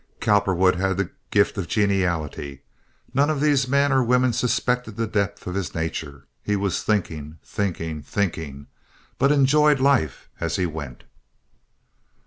Cowperwood had the gift of geniality. None of these men or women suspected the depth of his nature—he was thinking, thinking, thinking, but enjoyed life as he went.